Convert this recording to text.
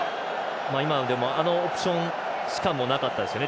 あのオプションしかなかったですね。